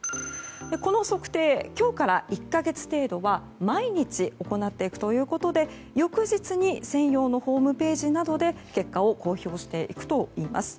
この測定、今日から１か月程度は毎日行っていくということで翌日に専用のホームページなどで結果を公表していくといいます。